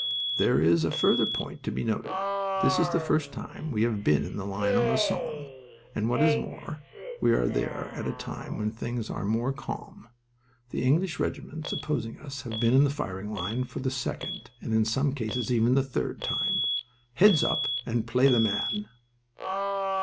There is a further point to be noted: this is the first time we have been in the line on the Somme, and what is more, we are there at a time when things are more calm. The English regiments opposing us have been in the firing line for the second, and in some cases even the third, time. Heads up and play the man!"